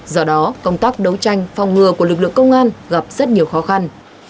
do đó công tác đấu tranh phòng ngừa của lực lượng công an gặp rất nhiều khó khăn